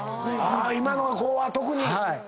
今の子は特に！